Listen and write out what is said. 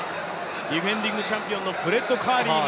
ディフェンディングチャンピオンのフレッド・カーリーが。